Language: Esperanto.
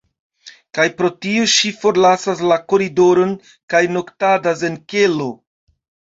Kaj pro tio ŝi forlasas la koridoron kaj noktadas en kelo.